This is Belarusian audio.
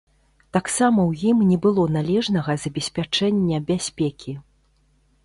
Таксама ў ім не было належнага забеспячэння бяспекі.